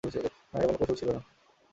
না, এটা কোন কৌশল ছিল না।